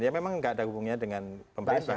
ya memang nggak ada hubungannya dengan pemerintah